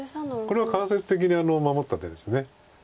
これは間接的に守った手です。